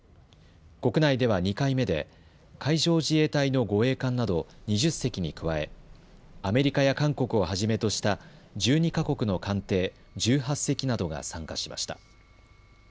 国内では２回目で海上自衛隊の護衛艦など２０隻に加えアメリカや韓国をはじめとした１２か国の艦艇１８隻などが参加しました。